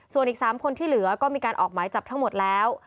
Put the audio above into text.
ส่วนอีก๓คนที่เหลือก็มีการออกหมายจับทั้งหมดแล้ว